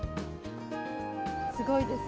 すごいです。